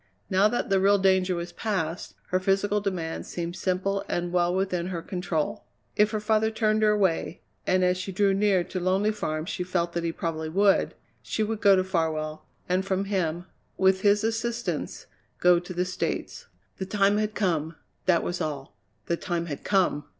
Now that the real danger was past, her physical demands seemed simple and well within her control. If her father turned her away and as she drew near to Lonely Farm she felt that he probably would she would go to Farwell, and from him, with his assistance, go to the States. The time had come that was all the time had come!